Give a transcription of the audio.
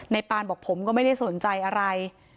ปานบอกผมก็ไม่ได้สนใจอะไร